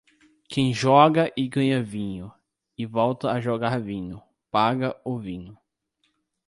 Quem joga e ganha vinho, e volta a jogar vinho, paga o vinho.